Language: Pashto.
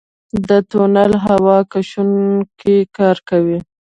د تونل هوا کشونه کار کوي؟